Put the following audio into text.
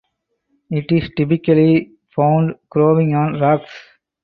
It is typically found growing on rocks.